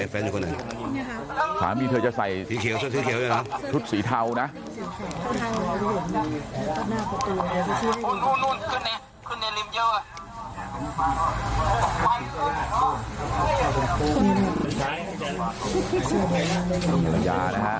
แฟนคนไหนสามีเธอจะใส่ชุดสีเทานะ